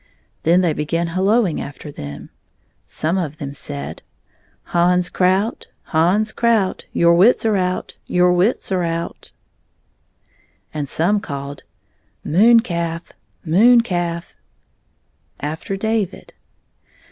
Then they began halloing afl; er them. Some of them said :" Hans Kroutj Hans Krout, Your wits are out, your wits are out I '* And some called, " Moon calf I Moon calf! " afl; er David.